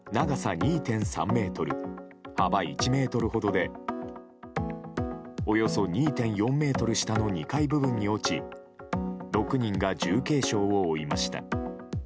２．３ｍ、幅１ｍほどでおよそ２．４ｍ下の２階部分に落ち６人が重軽傷を負いました。